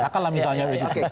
kakak lah misalnya